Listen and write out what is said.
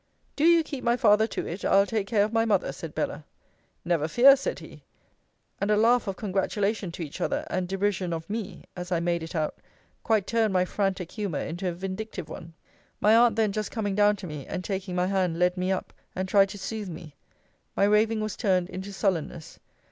Do you keep my father to it; I'll take care of my mother, said Bella. Never fear, said he! and a laugh of congratulation to each other, and derision of me (as I made it out) quite turned my frantic humour into a vindictive one. My aunt then just coming down to me, and taking my hand led me up; and tried to sooth me. My raving was turned into sullenness.